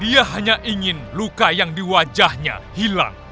dia hanya ingin luka yang di wajahnya hilang